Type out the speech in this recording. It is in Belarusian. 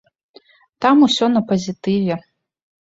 Там усё на пазітыве.